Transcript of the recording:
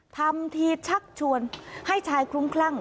ทำทีชักชวนให้ชายคลุ้มคลั่ง